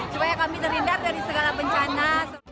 supaya kami terhindar dari segala bencana